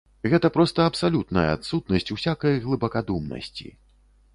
Гэта проста абсалютная адсутнасць усякай глыбакадумнасці.